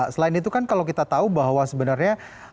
selain itu kan kalau kita tahu bahwa sebenarnya